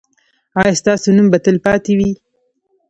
ایا ستاسو نوم به تلپاتې وي؟